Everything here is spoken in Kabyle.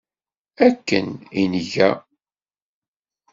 Akken i nga.